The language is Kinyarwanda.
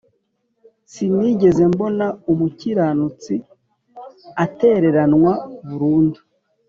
Sinigeze mbona umukiranutsi atereranwa burundu